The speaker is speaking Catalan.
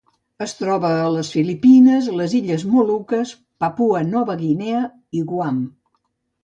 Es troba a les Filipines, les Illes Moluques, Papua Nova Guinea i Guam.